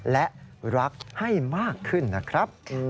และรักให้มากขึ้นนะครับ